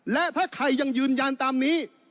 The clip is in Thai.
และถ้าใครยังยืนยันตามนี้